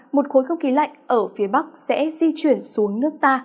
một khối không khí lạnh ở phía bắc sẽ di chuyển xuống nước ta